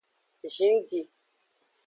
Zingi.